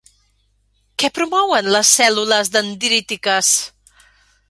Què promouen les cèl·lules dendrítiques?